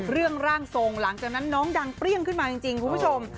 ร่างทรงหลังจากนั้นน้องดังเปรี้ยงขึ้นมาจริงคุณผู้ชม